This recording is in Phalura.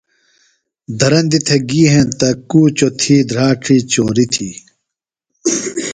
دھرندیۡ تھےۡ گی ہنتہ، کُوچوۡ تھی دھراڇی چوریۡ